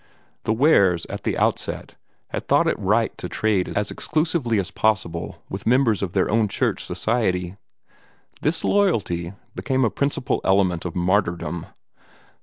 The Wares at the outset had thought it right to trade as exclusively as possible with members of their own church society. This loyalty became a principal element of martyrdom.